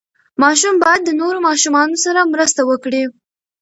ماشوم باید د نورو ماشومانو سره مرسته وکړي.